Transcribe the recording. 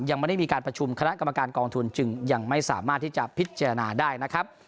ยังไม่ได้มีการประชุมคณะกรรมการกองทุนจึงยังไม่สามารถที่จะพิจารณาได้นะครับ